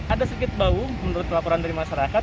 ada sedikit bau menurut laporan dari masyarakat